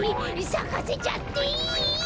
さかせちゃっていい！？